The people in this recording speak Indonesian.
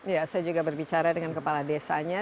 ya saya juga berbicara dengan kepala desanya